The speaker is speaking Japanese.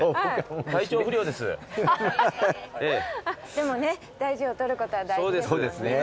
でもね大事をとることは大事ですもんね。